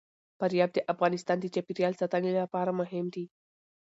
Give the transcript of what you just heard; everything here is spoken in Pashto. فاریاب د افغانستان د چاپیریال ساتنې لپاره مهم دي.